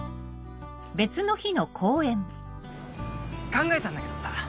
考えたんだけどさ